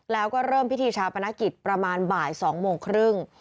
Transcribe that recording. แล้วก็เริ่มพิธีชาปนกิจประมาณบ่าย๒โมงครึ่ง